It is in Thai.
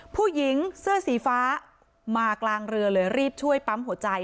ผู้หญิงเสื้อสีฟ้ามากลางเรือเลยรีบช่วยปั๊มหัวใจ